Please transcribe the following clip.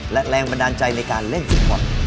และแรงบันดาลใจในการเล่นฟุตบอล